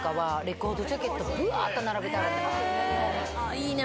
いいね